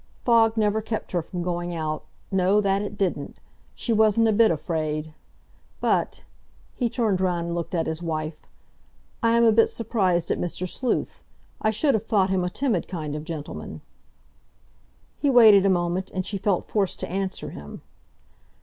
Fog never kept her from going out—no, that it didn't. She wasn't a bit afraid. But—" he turned round and looked at his wife—"I am a bit surprised at Mr. Sleuth. I should have thought him a timid kind of gentleman—" He waited a moment, and she felt forced to answer him.